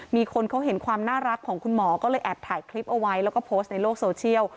มีคนเขาเห็นความน่ารักของคุณหมอก็เลยแอบถ่ายคลิปเอาไว้แล้วก็โพสต์ในโลกโซเชียล